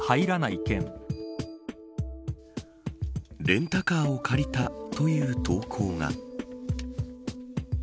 レンタカーを借りたという投稿が。